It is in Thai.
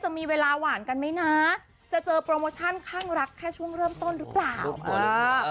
จะมีเวลาหวานกันไหมนะจะเจอโปรโมชั่นข้างรักแค่ช่วงเริ่มต้นหรือเปล่า